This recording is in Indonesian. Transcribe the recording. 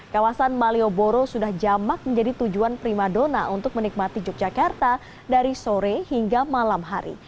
kawasan malioboro sudah jamak menjadi tujuan primadona untuk menikmati yogyakarta dari sore hingga malam hari